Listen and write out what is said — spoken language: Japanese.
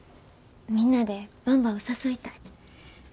みんなでばんばを誘いたい。